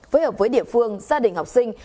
với hợp với địa phương gia đình học sinh